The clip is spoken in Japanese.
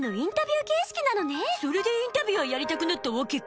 それでインタビュアーやりたくなったわけか。